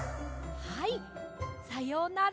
はいさようなら。